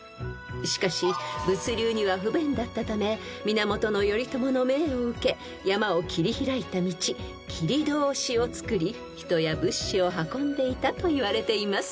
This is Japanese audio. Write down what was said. ［しかし物流には不便だったため源頼朝の命を受け山を切り開いた道切通をつくり人や物資を運んでいたといわれています］